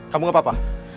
kamu gak apa apa